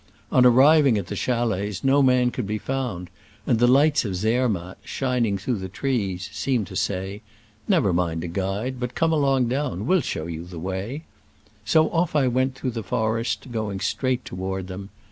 On arriving at the chalets no man could be found, and the lights of Zermatt, shining through the trees, seemed to say, " Never mind a guide, but come along down : we'll show you the way ;" so off I went through the forest, going straight toward them.